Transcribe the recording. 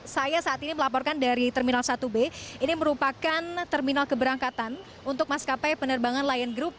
saya saat ini melaporkan dari terminal satu b ini merupakan terminal keberangkatan untuk maskapai penerbangan lion group